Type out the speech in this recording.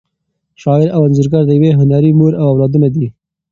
شاعر او انځورګر د یوې هنري مور اولادونه دي.